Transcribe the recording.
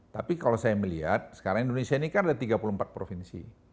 tapi kalau saya melihat sekarang indonesia ini kan ada tiga puluh empat provinsi